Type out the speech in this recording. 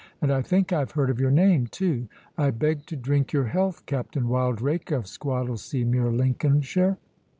And I think I have heard of your name too. I beg to drink your health, Captain Wildrake of Squattlesea mere, Lincolnshire."